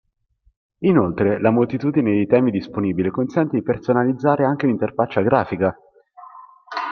Inoltre, la moltitudine di temi disponibili consente di personalizzare anche l'interfaccia grafica.